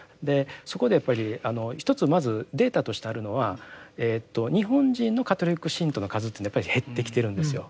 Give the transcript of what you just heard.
そこでやっぱりあの一つまずデータとしてあるのは日本人のカトリック信徒の数というのはやっぱり減ってきているんですよ。